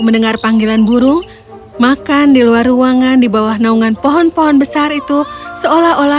mendengar panggilan burung makan di luar ruangan di bawah naungan pohon pohon besar itu seolah olah